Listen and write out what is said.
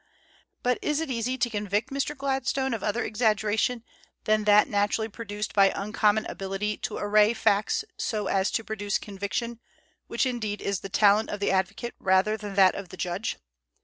But is it easy to convict Mr. Gladstone of other exaggeration than that naturally produced by uncommon ability to array facts so as to produce conviction, which indeed is the talent of the advocate rather than that of the judge?